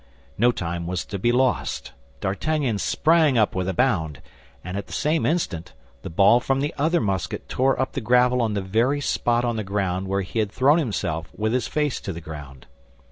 No time was to be lost. D'Artagnan sprang up with a bound, and at the same instant the ball from the other musket tore up the gravel on the very spot on the road where he had thrown himself with his face to the ground.